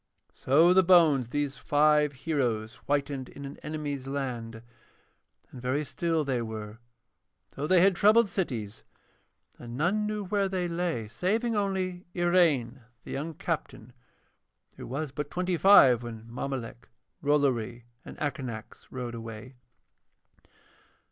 So the bones of these five heroes whitened in an enemy's land, and very still they were, though they had troubled cities, and none knew where they lay saving only Iraine, the young captain, who was but twenty five when Mommolek, Rollory, and Akanax rode away.